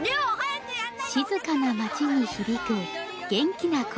静かな町に響く元気な声。